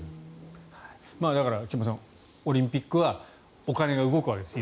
だから、菊間さんオリンピックはお金が動くわけです。